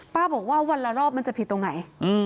บอกว่าวันละรอบมันจะผิดตรงไหน